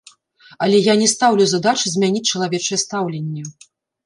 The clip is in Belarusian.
Але я не стаўлю задачы змяніць чалавечае стаўленне.